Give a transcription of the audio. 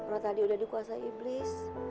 lo tadi udah dikuasa iblis